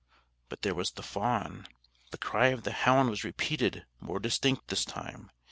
But there was the fawn. The cry of the hound was repeated, more distinct this time.